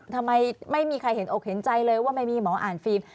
ทำไมไม่มีใครเห็นอกเห็นใจเลยว่าไม่มีหมออ่านฟิล์ม